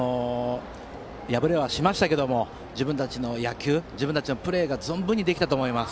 敗れはしましたけれども自分たちの野球自分たちのプレーが存分にできたと思います。